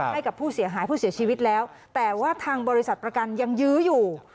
ให้กับผู้เสียหายผู้เสียชีวิตแล้วแต่ว่าทางบริษัทประกันยังยื้ออยู่